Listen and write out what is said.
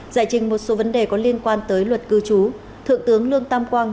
giải trình một số vấn đề có liên quan tới luật cư trú thượng tướng lương tam quang